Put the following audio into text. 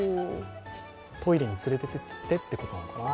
トイレに連れていってということなのかな。